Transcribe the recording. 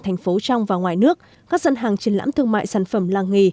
thành phố trong và ngoài nước các dân hàng triển lãm thương mại sản phẩm làng nghề